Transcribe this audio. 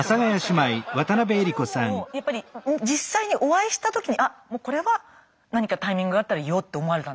それはもうやっぱり実際にお会いした時に「あっこれは何かタイミングがあったら言おう」って思われたんですか？